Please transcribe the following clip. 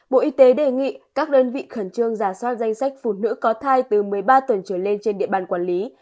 bộ y tế đề nghị các đơn vị khẩn trương giả soát danh sách phụ nữ có thai từ một mươi ba tuần trở lên trên địa bàn quản lý